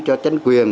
cho chính quyền